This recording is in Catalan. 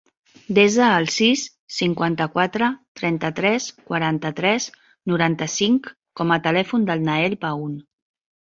Desa el sis, cinquanta-quatre, trenta-tres, quaranta-tres, noranta-cinc com a telèfon del Nael Paun.